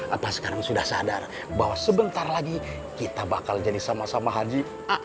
apa sekarang sudah sadar bahwa sebentar lagi kita bakal jadi sama sama haji